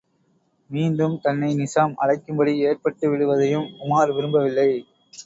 மீண்டும் தன்னை நிசாம் அழைக்கும்படி ஏற்பட்டு விடுவதையும் உமார் விரும்பவில்லை.